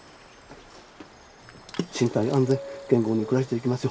身体安全健康に暮らしていけますよう。